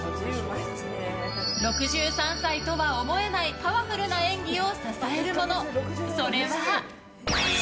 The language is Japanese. ６３歳とは思えないパワフルな演技を支えるもの、それは。